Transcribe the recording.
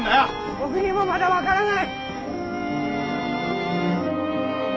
僕にもまだ分からない！